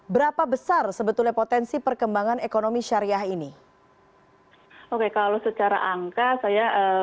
berapa besar sebetulnya potensi perkembangan ekonomi syariah ini oke kalau secara angka saya